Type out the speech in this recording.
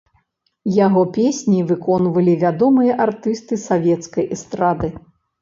Яго песні выконвалі вядомыя артысты савецкай эстрады.